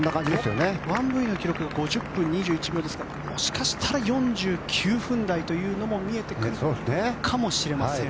ワンブィの記録が５０分２１秒ですからもしかしたら４９分台というのも見えてくるかもしれません。